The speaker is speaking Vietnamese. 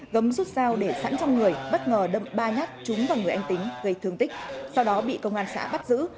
gấm rút dao để sẵn trong người bất ngờ đâm ba nhát trúng vào người anh tính gây thương tích sau đó bị công an xã bắt giữ